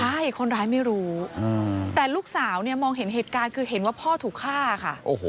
ใช่คนร้ายไม่รู้แต่ลูกสาวเนี่ยมองเห็นเหตุการณ์คือเห็นว่าพ่อถูกฆ่าค่ะ